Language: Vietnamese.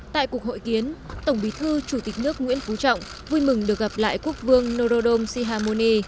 tại cuộc hội kiến tổng bí thư chủ tịch nước nguyễn phú trọng vui mừng được gặp lại quốc vương norodom sihamoni